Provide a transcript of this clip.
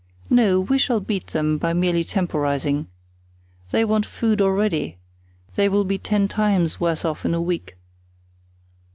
No, we shall beat them by merely temporizing. They want food already. They will be ten times worse off in a week."